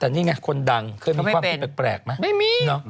แต่นี่ไงคนดังเคยมีความคิดแปลกไหมไม่มีเนอะ